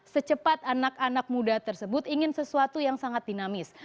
secepat anak anak muda tersebut ingin sesuatu yang sangat dinamis